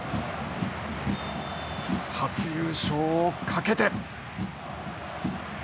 初優勝をかけて。